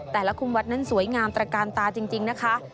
แต่ละคุมวัฒน์นั้นสวยงามตระการตาจริงนะคะ